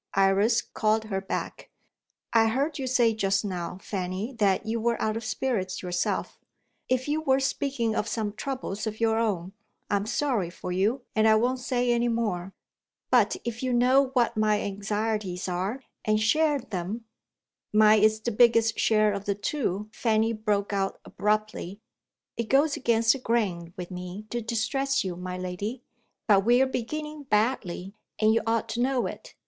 Iris called her back: "I heard you say just now, Fanny, that you were out of spirits yourself. If you were speaking of some troubles of your own, I am sorry for you, and I won't say any more. But if you know what my anxieties are, and share them " "Mine is the biggest share of the two," Fanny broke out abruptly. "It goes against the grain with me to distress you, my lady; but we are beginning badly, and you ought to know it.